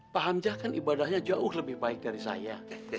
pak hamzah kan ibadahnya jauh lebih baik dari saya